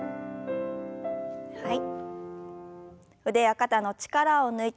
はい。